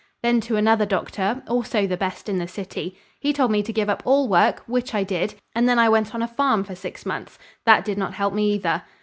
Then to another doctor also the best in the city. He told me to give up all work, which I did, and then I went on a farm for six months. That did not help me either.